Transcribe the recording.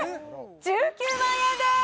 １９万円です！